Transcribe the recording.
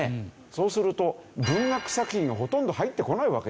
そうすると文学作品がほとんど入ってこないわけです。